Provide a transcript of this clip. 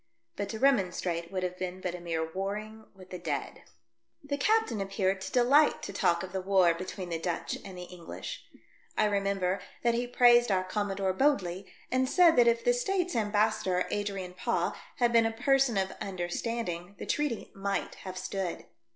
But to remonstrate would have been but a mere warring with the dead. I AM SHOWN A PRESENT FOR MARGARETIIA. I 25 The captain appeared to delight to talk of |he war between the Dutch and the English. I remember that he praised our Commodore Bodley, and said that if the States' ambas sador, Adrian Paaw, had been a person of understanding, the treaty might have stood.